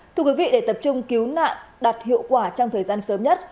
thưa quý vị để tập trung cứu nạn đạt hiệu quả trong thời gian sớm nhất